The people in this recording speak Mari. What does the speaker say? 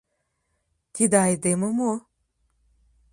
Тиде айдеме мо?